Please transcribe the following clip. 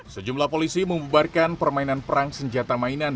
sejumlah polisi membubarkan permainan perang senjata mainan